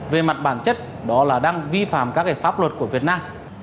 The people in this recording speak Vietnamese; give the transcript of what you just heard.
về mặt bản chất đó là đang vi phạm các pháp luật của việt nam